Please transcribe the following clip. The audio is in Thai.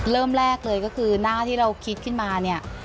เริ่มแรกเลยก็คือหน้าที่เราคิดขึ้นมาเนี่ย